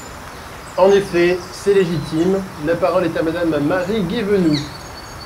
En effet ! C’est légitime ! La parole est à Madame Marie Guévenoux.